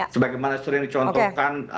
sebagai mana sering dicontohkan